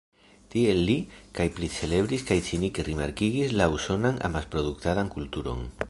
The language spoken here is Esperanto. Tiel li kaj pricelebris kaj cinike rimarkigis la usonan amasproduktadan kulturon.